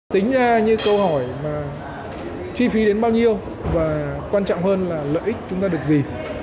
tính ra như câu hỏi mà chi phí đến bao nhiêu và quan trọng hơn là lợi ích chúng ta được gì